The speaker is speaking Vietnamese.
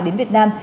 đến việt nam